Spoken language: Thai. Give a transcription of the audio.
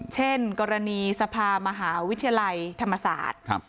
เช่นกรณีสภามหาวิทยาลัยธรรมศาสตร์